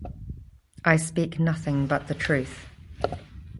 I speak nothing but the truth.